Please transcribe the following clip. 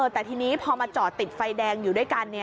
แต่ทีนี้พอมาจอดติดไฟแดงอยู่ด้วยกัน